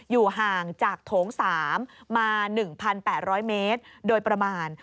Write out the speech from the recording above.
อยู่ห่างจากโถง๓มา๑๘๐๐เมตรโดยประมาณ